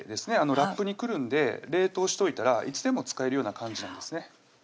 ラップにくるんで冷凍しといたらいつでも使えるような感じなんですね